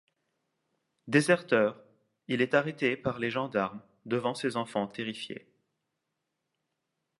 Déserteur, il est arrêté par les gendarmes devant ses enfants terrifiés.